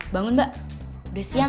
bangun mbak udah siang